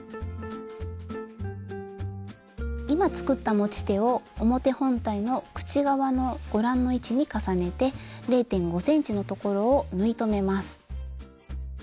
今作った持ち手を表本体の口側のご覧の位置に重ねて０．５ｃｍのところを縫い留めます。